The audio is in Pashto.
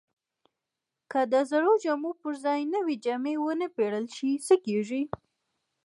که د زړو جامو پر ځای نوې جامې ونه پیرل شي، څه کیږي؟